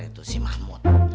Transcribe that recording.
itu sih mahmud